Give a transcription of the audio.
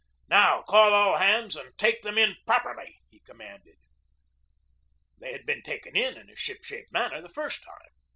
"Now, call all hands and take them in properly!" he commanded. They had been taken in in a ship shape manner the first time.